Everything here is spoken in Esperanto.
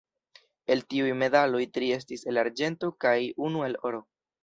El tiuj medaloj tri estis el arĝento kaj unu el oro.